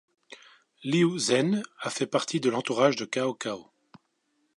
Liu Zhen a fait partie de l'entourage de Cao Cao.